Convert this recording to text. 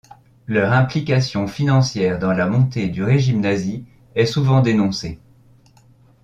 Leur implication financière dans la montée du régime nazi est souvent dénoncée.